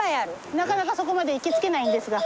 なかなかそこまで行き着けないんですが。